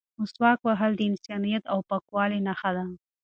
مسواک وهل د انسانیت او پاکوالي نښه ده.